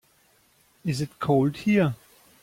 Is it cold here?